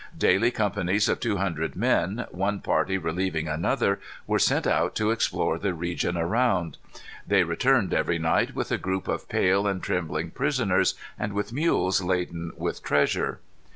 Daily companies of two hundred men, one party relieving another, were sent out to explore the region around. They returned every night with a group of pale and trembling prisoners, and with mules laden with treasure.